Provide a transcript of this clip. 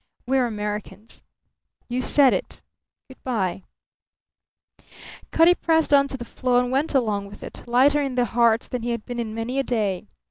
We're Americans!" "You said it. Good bye." Cutty pressed on to the flow and went along with it, lighter in the heart than he had been in many a day.